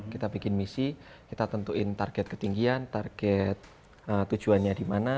kita bikin misi kita tentuin target ketinggian target tujuannya di mana